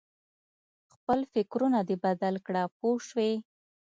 خپل فکرونه دې بدل کړه پوه شوې!.